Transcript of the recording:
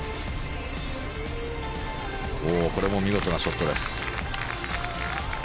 これも見事なショットです。